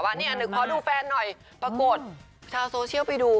เนี่ยหนึ่งขอดูแฟนหน่อยปรากฏชาวโซเชียลไปดู